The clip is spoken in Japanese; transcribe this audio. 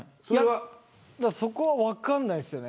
そこは分からないですね。